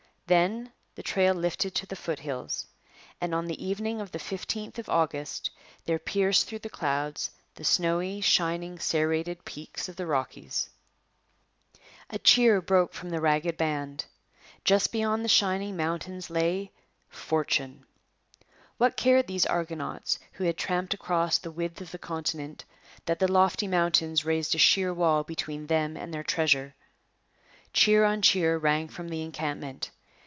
Then the trail lifted to the foothills. And on the evening of the 15th of August there pierced through the clouds the snowy, shining, serrated peaks of the Rockies. [Illustration: Upper M'Leod River. From a photograph.] A cheer broke from the ragged band. Just beyond the shining mountains lay Fortune. What cared these argonauts, who had tramped across the width of the continent, that the lofty mountains raised a sheer wall between them and their treasure? Cheer on cheer rang from the encampment.